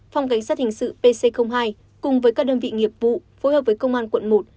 phòng cảnh sát hình sự pc hai cùng với các đơn vị nghiệp vụ phối hợp với công an quận một